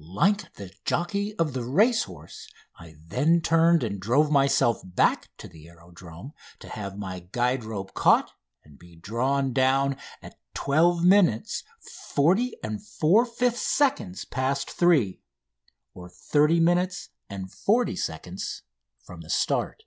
Like the jockey of the racehorse, I then turned and drove myself back to the aerodrome to have my guide rope caught and be drawn down at twelve minutes forty and four fifths seconds past three, or thirty minutes and forty seconds from the start.